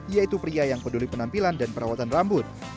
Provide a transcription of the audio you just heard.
yaitu pria yang peduli penampilan dan perawatan rambut